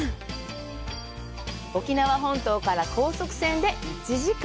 沖縄本島から高速船で１時間。